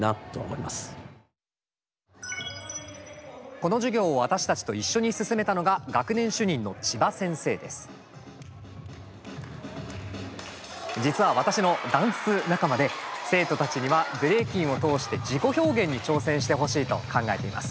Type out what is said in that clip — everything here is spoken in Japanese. この授業を私たちと一緒に進めたのが実は私のダンス仲間で生徒たちにはブレイキンを通して自己表現に挑戦してほしいと考えています。